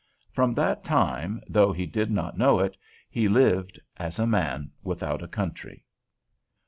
From that time, though he did not yet know it, he lived as A MAN WITHOUT A COUNTRY.